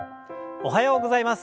おはようございます。